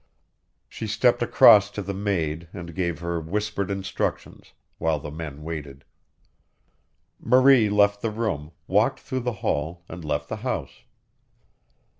She stepped across to the maid and gave her whispered instructions, while the men waited. Marie left the room, walked through the hall, and left the house.